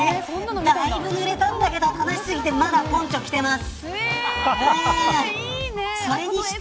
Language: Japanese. だいぶぬれたんだけど楽しくてまだポンチョ着てます。